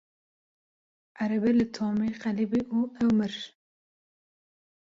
Erebe li Tomî qelibî û ew mir.